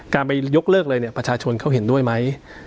การไปยกเลิกเลยเนี่ยประชาชนเขาเห็นด้วยไหม